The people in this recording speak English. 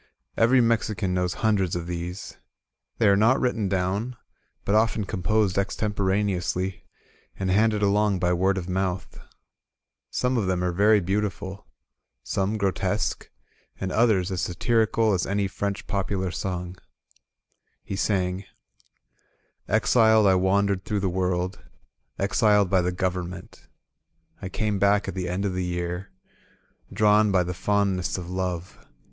Every Mexican knows hundreds of these. They are not writ ten down, but often composed extemporaneously, and handed along by word of mouth. Some of them are 88 INSURGENT MEXICO yery beautiful^ some grotesque, and others as satirical as any French popular song* He sang: "Exiled I wandered through the world — Exiled by the government. I came back at the end of the year. Drawn by the fondness of love.